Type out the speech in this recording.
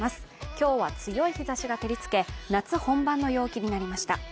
今日は強い日ざしが照りつけ、夏本番の陽気になりました。